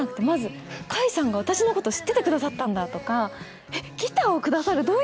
まず甲斐さんが私のこと知っててくださったんだとかえっギターを下さる？